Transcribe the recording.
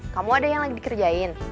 kamu ada yang lagi dikerjain